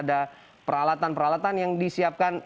alatan peralatan yang disiapkan